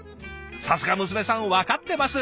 さすが娘さん分かってます。